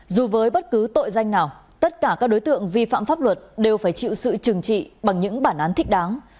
dù với bất cứ tội danh nào tất cả các đối tượng vi phạm pháp luật đều phải chịu sự trừng trị bằng những bản án thích đáng